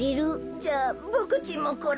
じゃあボクちんもこれ。